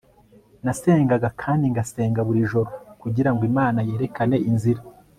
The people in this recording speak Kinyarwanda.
nasengaga kandi ngasenga buri joro kugirango imana yerekane inzira